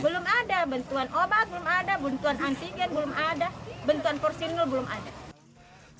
belum ada bentuan obat belum ada bentuan antigen belum ada bentuan porsinil belum ada